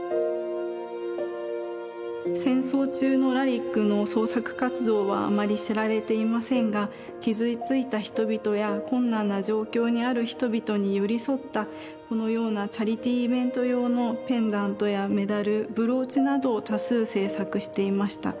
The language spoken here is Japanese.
戦争中のラリックの創作活動はあまり知られていませんが傷ついた人々や困難な状況にある人々に寄り添ったこのようなチャリティーイベント用のペンダントやメダルブローチなどを多数制作していました。